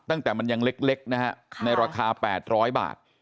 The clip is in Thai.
ตั้งแต่มันยังเล็กนะฮะในราคา๘๐๐บาท